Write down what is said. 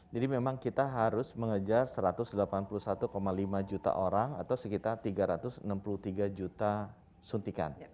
jadi memang kita harus mengejar satu ratus delapan puluh satu lima juta orang atau sekitar tiga ratus enam puluh tiga juta suntikan